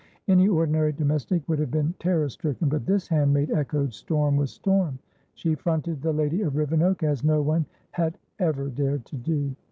Any ordinary domestic would have been terror stricken, but this handmaid echoed storm with storm; she fronted the lady of Rivenoak as no one had ever dared to do.